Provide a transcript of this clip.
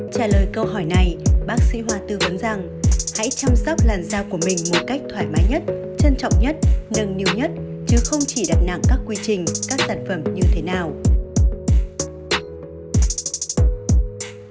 trả lời câu hỏi này bác sĩ hoa tư vấn rằng hãy chăm sóc làn da của mình một cách thoải mái nhất trân trọng nhất nâng niu nhất chứ không chỉ đặt nặng các quy trình các sản phẩm như thế nào